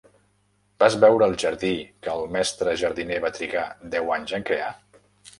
Vas veure el jardí que el mestre jardiner va trigar deu anys en crear?